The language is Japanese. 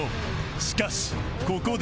しかしここで